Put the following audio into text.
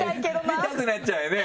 見たくなっちゃうよね